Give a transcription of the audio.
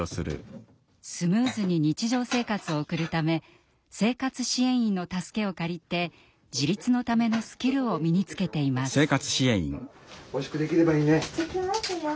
スムーズに日常生活を送るため生活支援員の助けを借りて自立のためのスキルを身につけています。